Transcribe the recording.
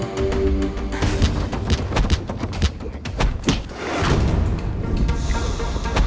lalu dipaksain le mornings